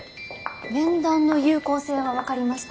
面談の有効性は分かりました。